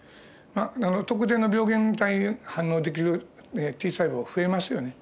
特定な病原体に反応できるＴ細胞が増えますよね。